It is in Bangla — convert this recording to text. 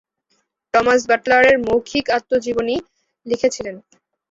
টমাস বাটলারের মৌখিক আত্মজীবনী লিখেছিলেন।